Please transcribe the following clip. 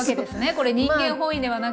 これ人間本位ではなく。